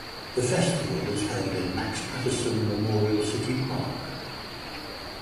The festival is held in Max Patterson Memorial City Park.